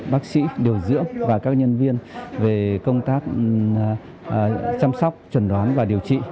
bác sĩ điều dưỡng và các nhân viên về công tác chăm sóc chuẩn đoán và điều trị